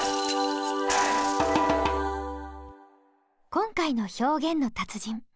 今回の表現の達人。